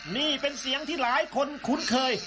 นี่เป็นเสียงที่หลายคนคุ้นเคย